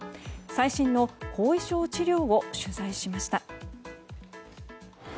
最新の後遺症治療を取材しました。